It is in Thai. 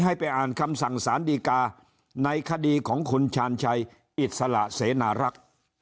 ให้ไปอ่านคำสั่งสารดีกาในคดีของคุณชาญชัยอิสระเสนารักษ์